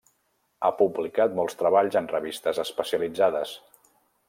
Ha publicat molts treballs en revistes especialitzades.